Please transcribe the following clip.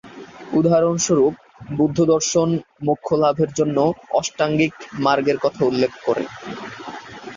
উদাহরণস্বরূপ, বৌদ্ধদর্শন মোক্ষলাভের জন্য অষ্টাঙ্গিক মার্গের কথা উল্লেখ করে।